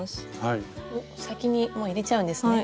先にもう入れちゃうんですね。